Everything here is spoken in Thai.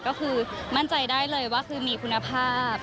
ก็คือมั่นใจได้เลยมีคุณภาพ